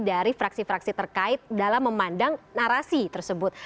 dari fraksi fraksi terkait dalam memandang narasi tersebut